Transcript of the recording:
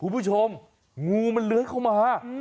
คุณผู้ชมงูมันเลื้อยเข้ามา